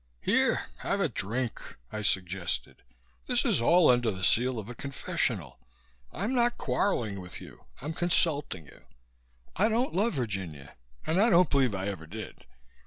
"Here, have a drink!" I suggested. "This is all under the seal of a confessional. I'm not quarreling with you. I'm consulting you. I don't love Virginia and I don't believe I ever did.